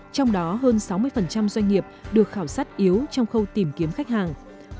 trong đó hơn sáu mươi doanh nghiệp được khảo sát yếu trong khâu tìm kiếm khách hàng